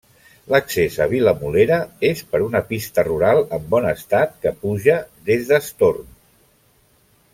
L'accés a Vilamolera és per una pista rural en bon estat que puja des d'Estorm.